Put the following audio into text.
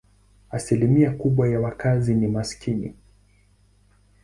Asilimia kubwa ya wakazi ni maskini.